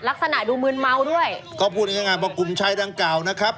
ลักษณะดูมืนเมาด้วยก็พูดง่ายง่ายว่ากลุ่มชายดังกล่าวนะครับ